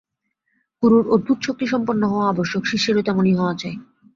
গুরুর অদ্ভুত শক্তিসম্পন্ন হওয়া আবশ্যক, শিষ্যেরও তেমনি হওয়া চাই।